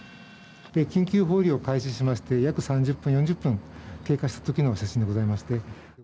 緊急放流を開始しまして約３０分、４０分経過したときの写真でございまして。